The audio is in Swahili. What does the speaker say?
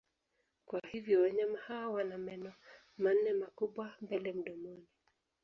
Kwa hivyo wanyama hawa wana meno manne makubwa mbele mdomoni.